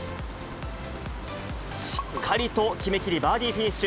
しっかりと決めきり、バーディーフィニッシュ。